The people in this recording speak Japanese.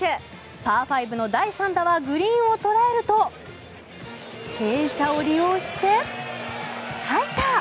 パー５の第３打はグリーンを捉えると傾斜を利用して、入った！